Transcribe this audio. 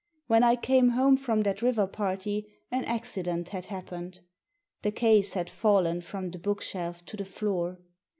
When I came home from that river party an accident had happened. The case had fallen from the book shelf to the floor.